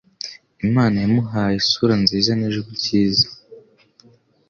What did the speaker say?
Imana yamuhaye isura nziza nijwi ryiza.